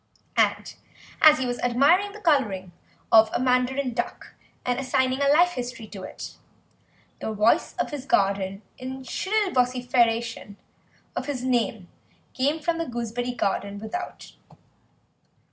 And as he was admiring the colouring of the mandarin duck and assigning a life history to it, the voice of his aunt in shrill vociferation of his name came from the gooseberry garden without.